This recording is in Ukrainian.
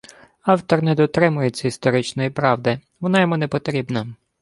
Автор не дотримується історичної правди, вона йому не потрібна